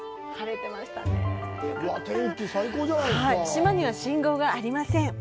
島には信号がありません。